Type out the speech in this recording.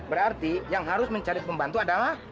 berarti yang harus mencari pembantu adalah